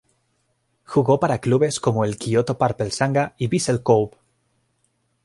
Jugó para clubes como el Kyoto Purple Sanga y Vissel Kobe.